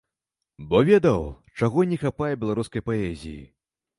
Бо ведаў, чаго не хапае беларускай паэзіі.